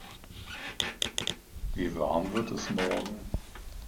Wie warm wird es morgen?